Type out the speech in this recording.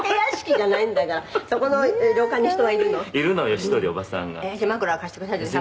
「じゃあ枕貸してくださいって」